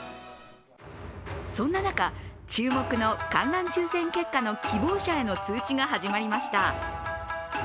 そんな中、注目の観覧抽選結果の希望者への通知が始まりました。